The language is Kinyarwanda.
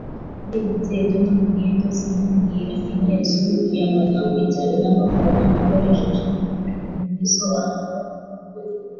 Yibutse ibyo namubwiye byose, no mubwira nyina YASUBUKUYE AMAGAMBO CYANE NAMAFARANGA NAKORESHEJE MU KUBISOBANURA.